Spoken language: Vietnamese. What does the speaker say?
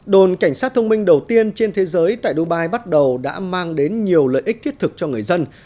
đồn cảnh sát thông minh đầu tiên trên thế giới tại dubai bắt đầu đã mang đến nhiều lợi ích thiết thực cho người dân